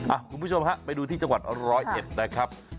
อ่าคุณผู้ชมครับไปดูที่จังหวัดร้อยเอ็ดได้ครับ